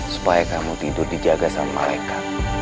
supaya kamu tidur dijaga sama mereka